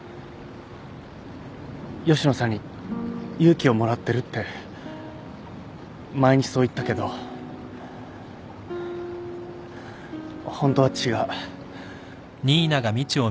吉野さんに勇気をもらってるって前にそう言ったけどホントは違う。